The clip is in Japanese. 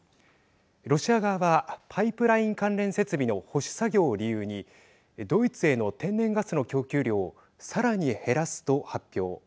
ロシア側はパイプライン関連設備の保守作業を理由にドイツへの天然ガスの供給量をさらに減らすと発表。